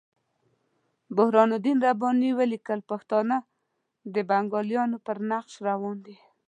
برهان الدین رباني ولیکل پښتانه د بنګالیانو پر نقش روان دي.